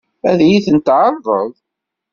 Ad iyi-ten-tɛeṛḍeḍ?